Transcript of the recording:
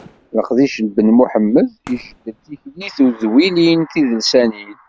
Leqdic n Ben Muḥemmed ijeddel tikli i tedwilin tidelsanin.